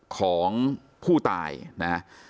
ของผู้ตายนะฮะ